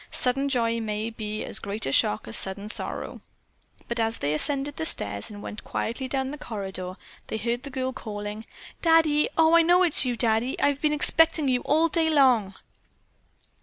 Sudden joy may be as great a shock as sudden sorrow." But, as they ascended the stairs and went quietly down the corridor, they heard the girl calling, "Daddy! Oh, I know it's you, Daddy. I've been expecting you all day long."